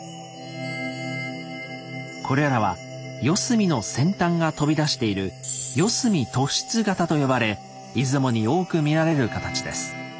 これらは四隅の先端が飛び出している「四隅突出型」と呼ばれ出雲に多く見られる形です。